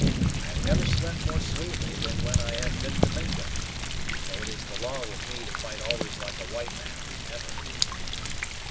I have never slept more sweetly than when I have fi't the Mingos, though it is the law with me to fight always like a white man and never like an Indian.